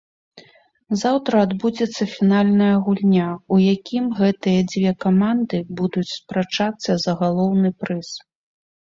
Заўтра адбудзецца фінальная гульня, у якім гэтыя дзве каманды будуць спрачацца за галоўны прыз.